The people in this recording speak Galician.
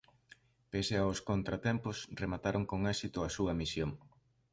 Pese aos contratempos remataron con éxito a súa misión.